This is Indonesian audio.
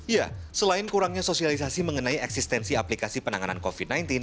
ya selain kurangnya sosialisasi mengenai eksistensi aplikasi penanganan covid sembilan belas